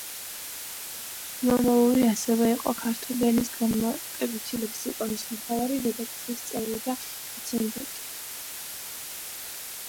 ლომოური ასევე იყო „ქართული ენის განმარტებითი ლექსიკონის“ მთავარი რედაქციის წევრი და რეცენზენტი.